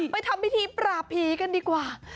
ทำพิธีปราบผีกันดีกว่า